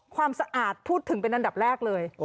ความสะอาดพูดถึงเป็นอันดับแรกเลย